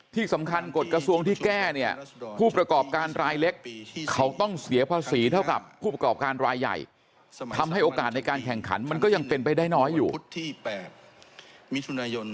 ที่สำคัญกฎกระทรวงที่แก้เนี่ยผู้ประกอบการรายเล็ก